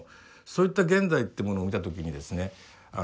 そういった現代ってものを見た時にですね